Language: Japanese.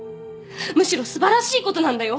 むしろ素晴らしいことなんだよ！